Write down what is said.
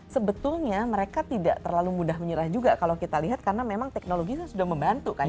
sebetulnya mereka tidak terlalu mudah menyerah juga kalau kita lihat karena memang teknologi itu sudah membantu kan